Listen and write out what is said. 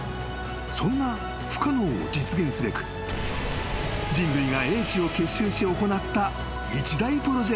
そんな不可能を実現すべく人類が英知を結集し行った一大プロジェクトだった］